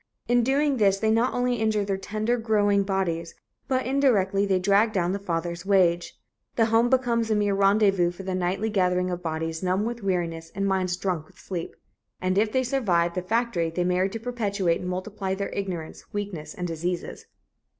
In doing this, they not only injure their tender growing bodies, but indirectly, they drag down the father's wage ... The home becomes a mere rendezvous for the nightly gathering of bodies numb with weariness and minds drunk with sleep." And if they survive the factory, they marry to perpetuate and multiply their ignorance, weakness and diseases.